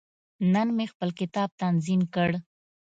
نن مې خپل کتاب تنظیم کړ.